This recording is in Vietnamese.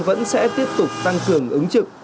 vẫn sẽ tiếp tục tăng cường ứng trực